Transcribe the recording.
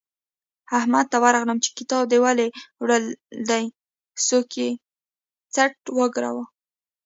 احمد ته ورغلم چې کتاب دې ولې وړل دی؛ سوکه یې څټ وګاراوو.